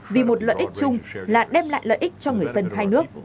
vì một lợi ích chung là đem lại lợi ích cho người dân hai nước